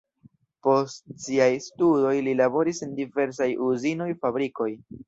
Post siaj studoj li laboris en diversaj uzinoj, fabrikoj.